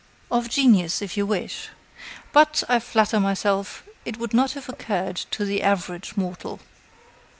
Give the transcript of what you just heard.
"Of genius, if you wish. But, I flatter myself, it would not have occurred to the average mortal.